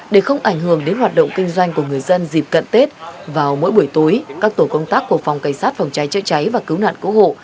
để không ảnh hưởng đến hoạt động kinh doanh của người dân dịp cận tết vào mỗi buổi tối các tổ công tác của phòng cảnh sát phòng cháy chữa cháy và cứu nạn cứu hộ